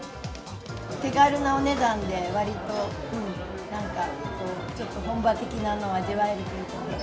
手軽なお値段で、わりと、なんかちょっと本場的なのを味わえるので。